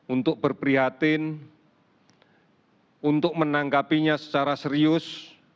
untuk berprihatin untuk menanggapinya secara serius